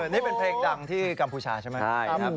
นี่เป็นเพลงดังที่กัมพูชาใช่ไหม